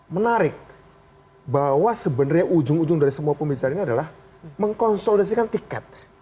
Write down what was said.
menarik bahwa sebenarnya ujung ujung dari semua pembicaraan ini adalah mengkonsolidasikan tiket